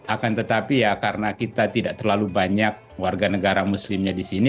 akan tetapi ya karena kita tidak terlalu banyak warga negara muslimnya di sini